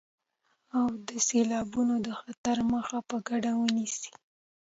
او د سيلابونو د خطر مخه په ګډه ونيسئ.